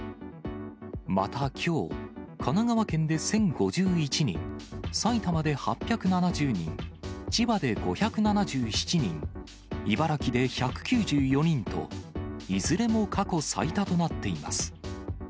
またきょう、神奈川県で１０５１人、埼玉で８７０人、千葉で５７７人、茨城で１９４人と、いずれも過去最多となっています。